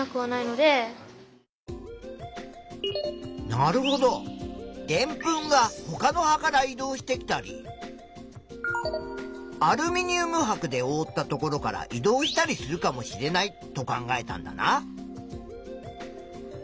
なるほどでんぷんがほかの葉から移動してきたりアルミニウムはくでおおったところから移動したりするかもしれないと考えたんだな。